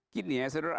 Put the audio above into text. gini ya saudara